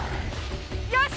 よし！